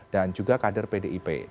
dan juga kader pdip